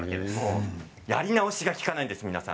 やり直しが利かないんです。